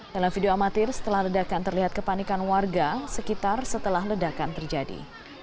dalam video amatir setelah ledakan terlihat kepanikan warga sekitar setelah ledakan terjadi